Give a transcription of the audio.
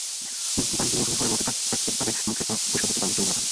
বাঙ্গিমৌসুমি ফলের মধ্যে প্রাকৃতিকভাবে মুখের ত্বক পরিষ্কার করতে বাঙ্গির জুড়ি মেলা ভার।